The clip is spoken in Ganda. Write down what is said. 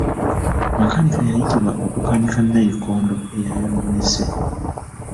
Makanika yayitibwa okukanika nnayikondo eyayonoonese.